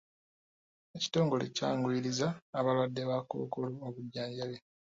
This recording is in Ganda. Ekitongole kyanguyirizza abalwadde ba kkookolo obujjanjabi.